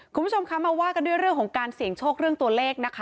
คุณผู้ชมคะมาว่ากันด้วยเรื่องของการเสี่ยงโชคเรื่องตัวเลขนะคะ